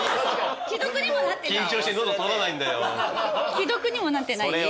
既読にもなってない？